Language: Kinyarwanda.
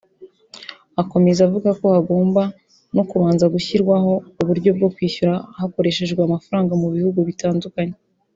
Akomeza avuga ko hagomba no kubanza gushyirwaho uburyo bwo kwishyura hakoreshejwe amafaranga yo mu bihugu bitandukanye